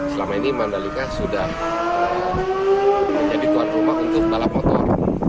selama ini mandalika sudah menjadi tuan rumah untuk balap motor